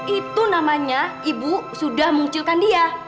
itu namanya ibu sudah mengucilkan dia